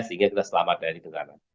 sehingga kita selamat dari tekanan